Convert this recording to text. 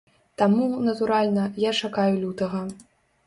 Таму, натуральна, я чакаю лютага.